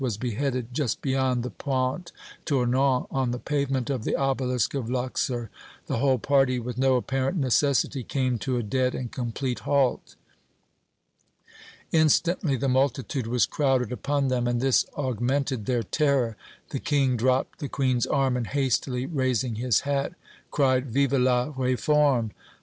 was beheaded, just beyond the Pont Tournant, on the pavement of the Obelisk of Luxor, the whole party, with no apparent necessity, came to a dead and complete halt. Instantly the multitude was crowded upon them, and this augmented their terror. The King dropped the Queen's arm and hastily raising his hat cried, "Vive la Réforme!"